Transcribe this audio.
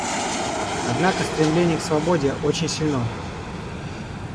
Однако стремление к свободе очень сильно.